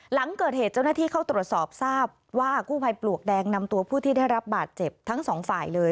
หลังเกิดเหตุเจ้าหน้าที่เข้าตรวจสอบทราบว่ากู้ภัยปลวกแดงนำตัวผู้ที่ได้รับบาดเจ็บทั้งสองฝ่ายเลย